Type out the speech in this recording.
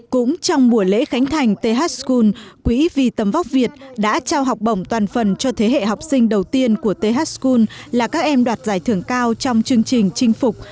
cũng trong buổi lễ khánh thành th school quỹ vì tấm vóc việt đã trao học bổng toàn phần cho thế hệ học sinh đầu tiên của th school là các em đoạt giải thưởng cao trong chương trình chinh phục